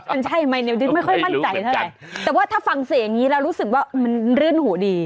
มันใช่ไหมนิวดินไม่ค่อยมั่นใจเท่าไหร่แต่ว่าถ้าฟังเสียงอย่างนี้แล้วรู้สึกว่ามันรื่นหูดี